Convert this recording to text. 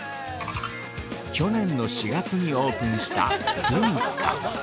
◆去年の４月にオープンした「棲家」。